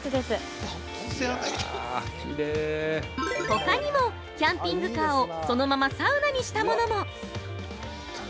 ◆ほかにも、キャンピングカーをそのままサウナにしたものも。